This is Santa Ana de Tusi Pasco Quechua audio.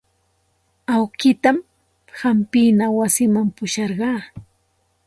Awkiitan hampina wasiman pusharqaa.